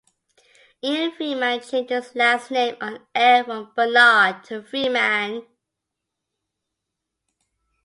Ian Freeman changed his last name on-air from "Bernard" to "Freeman".